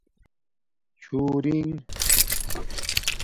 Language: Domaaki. چُھݸرنگ